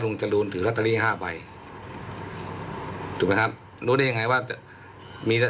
จรูนถือลอตเตอรี่ห้าใบถูกไหมครับรู้ได้ยังไงว่าจะมี